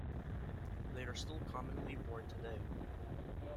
They are still commonly worn today.